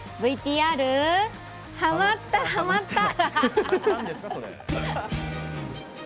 ＶＴＲ、ハマったハマった！